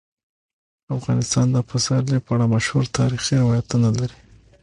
افغانستان د پسرلی په اړه مشهور تاریخی روایتونه لري.